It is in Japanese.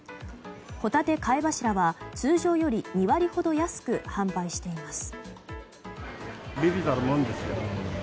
ホタテ貝柱は通常より２割ほど安く販売しています。